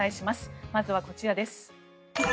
まずはこちらです。